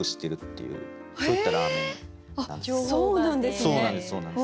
そうなんですね。